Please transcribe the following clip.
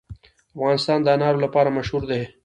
افغانستان د انار لپاره مشهور دی.